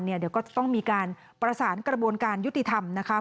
เดี๋ยวก็จะต้องมีการประสานกระบวนการยุติธรรมนะคะ